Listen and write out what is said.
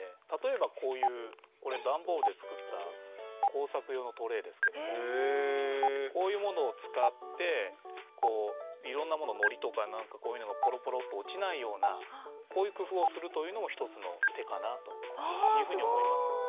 例えばこういうこれ段ボールで作った工作用のトレーですけれどもこういうものを使っていろんなものをのりとかなんかこういうのがぽろぽろと落ちないようなこういう工夫をするというのも一つの手かなというふうに思います。